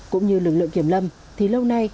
cũng như lực lượng kiểm lâm thì lâu nay